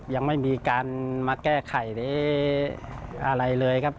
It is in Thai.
ยังไม่มีการมาแก้ไขอะไรเลยครับ